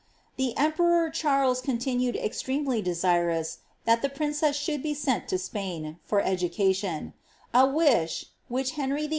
The emperor Charles conthined extremely desirous that the prinren should be sent to Spain, for education ; a wish which Henry VHf.